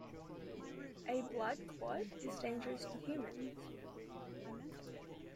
A blood clot is dangerous to humans.